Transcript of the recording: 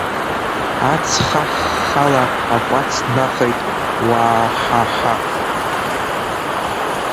Ац хаххала акәац днахеит, уаа-ҳа, ҳаа-ҳаа!